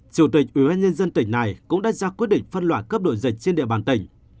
chủ tịch ubnd tỉnh này cũng đã ra quyết định phân loại cấp đội dịch trên địa bàn tỉnh